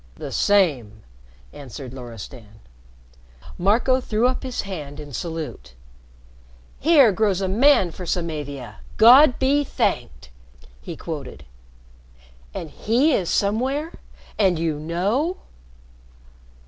"The same," answered Loristan. Marco threw up his hand in salute. "'Here grows a man for Samavia! God be thanked!'" he quoted. "And he is somewhere? And you know?"